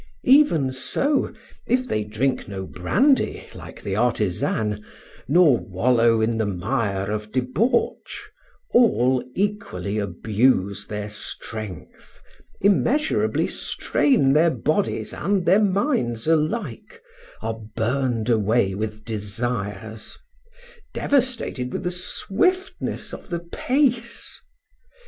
Even so, if they drink no brandy, like the artisan, nor wallow in the mire of debauch, all equally abuse their strength, immeasurably strain their bodies and their minds alike, are burned away with desires, devastated with the swiftness of the pace.